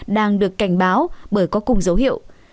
đang được cảnh báo bởi có cùng dấu hiệu